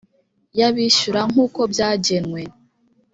y abishyura nk uko byagenwe